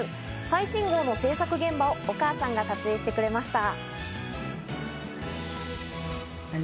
最新号の制作現場をお母さんが撮影してくれました。